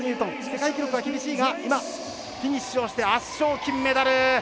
世界記録は厳しいが今、フィニッシュをして圧勝、金メダル！